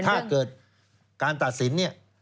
ถ้าเกิดการตัดสินเนี่ย